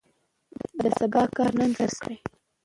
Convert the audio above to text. د سبا کار نن ترسره کړئ.